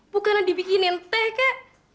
bukan dibikinin teh kek